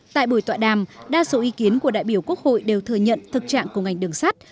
tại buổi tọa đàm đa số ý kiến của đại biểu quốc hội đều thừa nhận thực trạng của ngành đường sắt